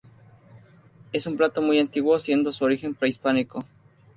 Es un plato muy antiguo, siendo su origen prehispánico.